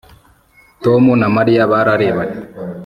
Tom na Mariya bararebanye